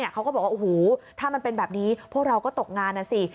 เขาก็บอกว่าโอ้โหถ้ามันเป็นแบบนี้พวกเราก็ตกงานนะสิ